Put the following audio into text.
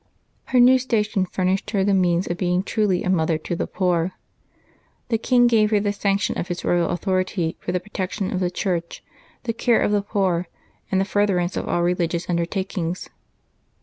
Her new sta tion furnished her the means of being truly a mother to the poor; the king gave her the sanction of his royal authority for the protection of the Church, the care of the poor, and the furtherance of all religious undertakings.